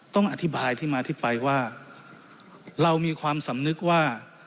ต้องอธิบายที่มาที่ไปว่าเรามีความสำนึกว่า